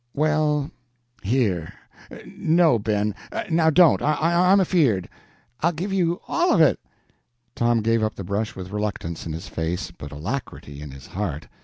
"Well, here. No, Ben; now don't; I'm afeard " "I'll give you all of it!" Tom gave up the brush with reluctance in his face, but alacrity in his heart.